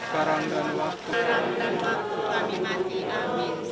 karam dan waktu kami mati amin